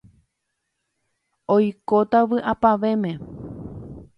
oikóta vy'apavẽme.